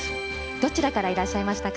どちらからいらっしゃいましたか？